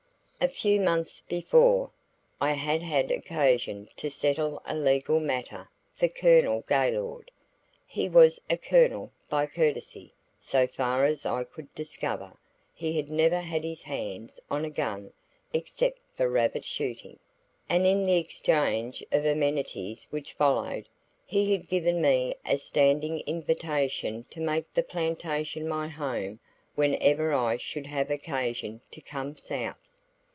A few months before, I had had occasion to settle a little legal matter for Colonel Gaylord (he was a colonel by courtesy; so far as I could discover he had never had his hands on a gun except for rabbit shooting) and in the exchange of amenities which followed, he had given me a standing invitation to make the plantation my home whenever I should have occasion to come South.